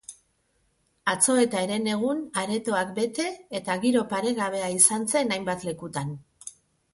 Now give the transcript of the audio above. Atzo eta herenegun aretoak bete eta giro paregabea izan zen hainbat lekutan.